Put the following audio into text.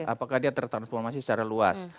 apakah dia tertransformasi secara luas